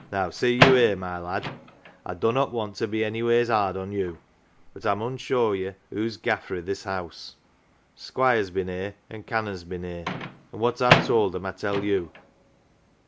" Now see you here, my lad. I dunnot want to be anyways hard on you, but I mun show ye who's gaffer i' this house. Squire's been here, an' Canon's been here, an' what I've told 'em I tell you.